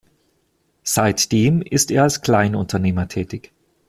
Seitdem ist er als Kleinunternehmer tätig.